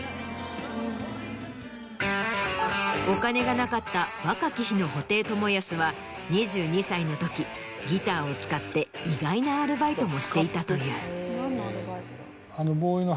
お金がなかった若き日の布袋寅泰は２２歳の時ギターを使って意外なアルバイトもしていたという。